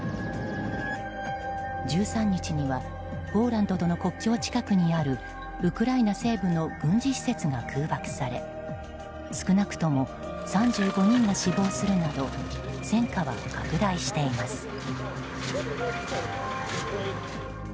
１３日にはポーランドとの国境近くにあるウクライナ西部の軍事施設が空爆され少なくとも３５人が死亡するなど戦火は拡大しています。